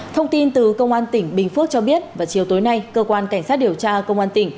thông tin từ công an tỉnh bình phước cho biết vào chiều tối nay cơ quan cảnh sát điều tra công an tỉnh